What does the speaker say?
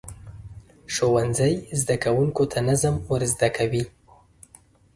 ښوونځی زده کوونکو ته نظم ورزده کوي.